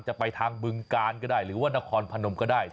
จะไปทางบึงกาลก็ได้หรือว่านครพนมก็ได้